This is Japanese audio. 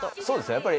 そうですね。